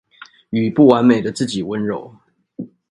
與不完美的自己溫柔